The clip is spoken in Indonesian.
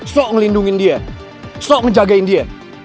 sok ngelindungin dia sok ngejagain dia